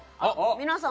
皆さんの。